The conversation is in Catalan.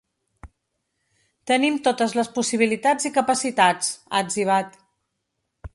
Tenim totes les possibilitats i capacitats, ha etzibat.